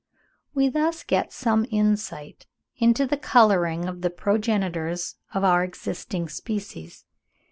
We thus get some insight into the colouring of the progenitors of our existing species.